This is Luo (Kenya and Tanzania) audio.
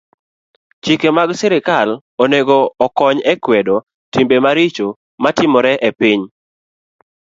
Chike mag sirkal onego okony e kwedo timbe maricho matimore e piny.